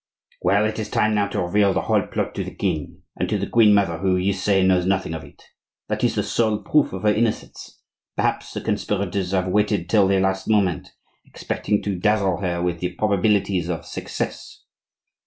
"Well, it is time now to reveal the whole plot to the king, and to the queen mother, who, you say, knows nothing of it,—that is the sole proof of her innocence; perhaps the conspirators have waited till the last moment, expecting to dazzle her with the probabilities of success.